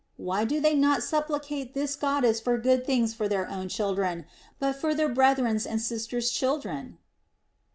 Why do they not supplicate this Goddess for good things for their own children, but for their breth ren's and sisters' children?